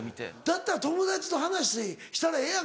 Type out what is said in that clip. だったら友達と話したらええやんか。